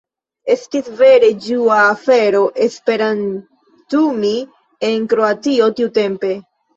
Estis vere ĝua afero esperantumi en Kroatio tiutempe.